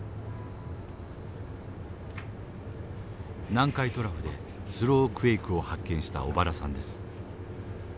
南海トラフでスロークエイクを発見した小原さんです。